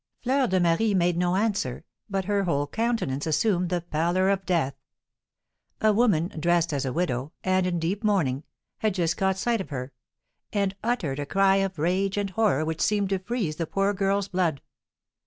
Fleur de Marie made no answer, but her whole countenance assumed the pallor of death. A woman, dressed as a widow, and in deep mourning, had just caught sight of her, and uttered a cry of rage and horror which seemed to freeze the poor girl's blood.